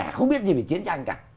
chúng ta không biết gì về chiến tranh cả